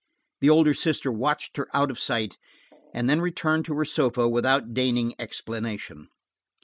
The older sister watched her out of sight, and then returned to her sofa without deigning explanation.